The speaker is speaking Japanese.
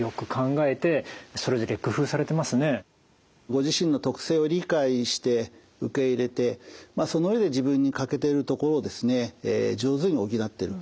ご自身の特性を理解して受け入れてその上で自分に欠けているところを上手に補っている。